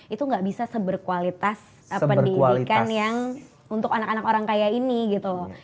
itu gak bisa seberkualitas pendidikan yang untuk anak anak orang kaya ini gitu loh